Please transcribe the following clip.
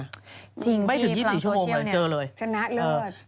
ไม่ถึง๒๔ชั่วโมงเลยเจอเลยจริงที่พลังโซเชียลชนะเลือด